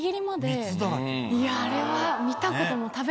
いやあれは。